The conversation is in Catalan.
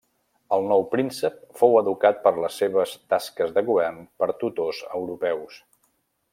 El nou príncep fou educat per les seves tasques de govern per tutors europeus.